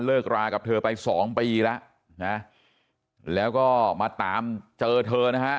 รากับเธอไปสองปีแล้วนะแล้วก็มาตามเจอเธอนะฮะ